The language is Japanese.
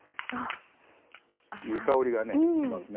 いい香りがねしますね。